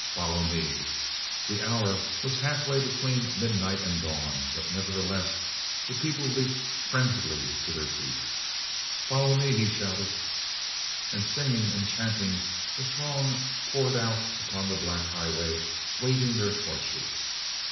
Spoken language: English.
Follow me!" The hour was halfway between midnight and dawn, but nevertheless the people leapt frenziedly to their feet. "Follow me!" he shouted. And, singing and chanting, the throng poured out upon the black highway, waving their torches.